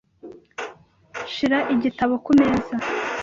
Shira igitabo kumeza .